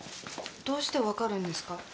どうして分かるんですか？